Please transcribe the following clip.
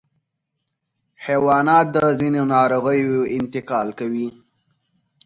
حیوانات د ځینو ناروغیو انتقال کوي.